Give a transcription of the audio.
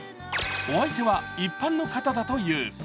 お相手は一般の方だという。